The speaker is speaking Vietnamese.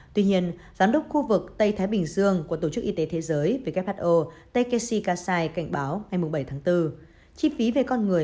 tuy nhiên giám đốc khu vực tây thái bình dương của tổ chức y tế thế giới who tkc kassai cảnh báo ngày bảy tháng bốn